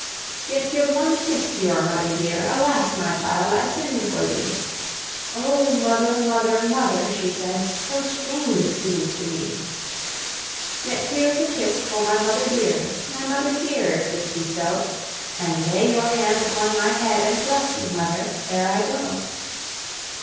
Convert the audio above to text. "Yet give one kiss to your mother dear! Alas! my child, I sinn'd for thee." "O mother, mother, mother," she said, "So strange it seems to me. "Yet here's a kiss for my mother dear, My mother dear, if this be so, And lay your hand upon my head, And bless me, mother, ere I go."